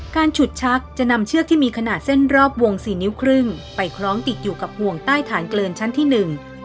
ฉุดชักจะนำเชือกที่มีขนาดเส้นรอบวงสี่นิ้วครึ่งไปคล้องติดอยู่กับห่วงใต้ฐานเกลินชั้นที่หนึ่ง